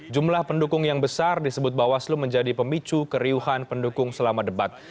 jumlah pendukung yang besar disebut bawaslu menjadi pemicu keriuhan pendukung selama debat